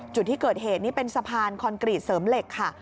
จุดที่เกิดเหตุนี่เป็นสะพานคอนกรีตเสริมเหล็กค่ะ